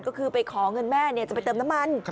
ก็คือไปขอเงินแม่จะไปเติมน้ำมัน